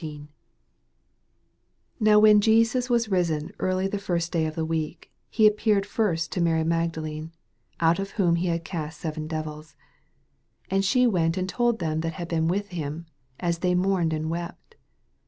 9 Now when , Te&ux was risen early the first day of the week, he appeared first to Mary Magdalene, oat of whom he had cast seven devils. 10 And slie went and told them that had been with him, as they mourned and wept.